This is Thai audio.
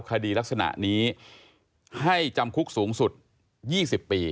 คดีลักษณะนี้ให้จำคุกสูงสุด๒๐ปี